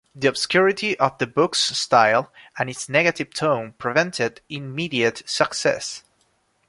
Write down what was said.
The obscurity of the book's style and its negative tone prevented immediate success.